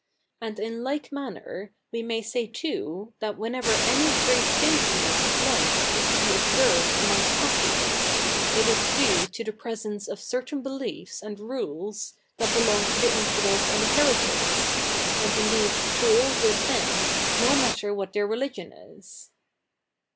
And i?i like maniier, we may say too, thativhen ever any great saintliness of life is to be observed atriongst Catholics, it is due to the prese?ice of certain beliefs and rules that belong to the infidels and the heretics — and ifideed to all good me?i, no iJiatter what their religio?i is.